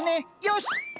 よし！